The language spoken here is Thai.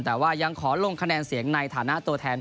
แต่ว่ายังขอลงคะแนนเสียงในฐานะตัวแทน